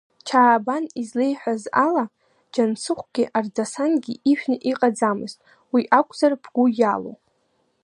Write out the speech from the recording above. Чаабан излеиҳәаз ала, Џьансыхәгьы Ардасангьы ижәны иҟаӡамызт, уи акәзар бгәы иалоу.